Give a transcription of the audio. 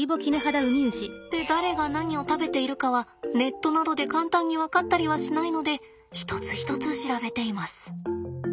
で誰が何を食べているかはネットなどで簡単に分かったりはしないので一つ一つ調べています。